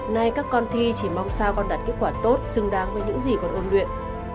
nay các con thi chỉ mong sao con đạt kết quả tốt xứng đáng với những gì còn ôn luyện